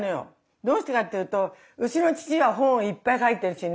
どうしてかっていうとうちの父が本をいっぱい書いてるしね。